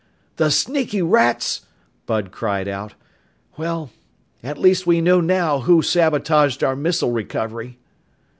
"The sneaky rats!" Bud cried out. "Well, at least we know now who sabotaged our missile recovery."